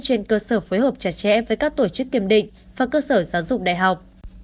trên cơ sở phối hợp chặt chẽ với các tổ chức kiểm định và cơ sở giáo dục đại học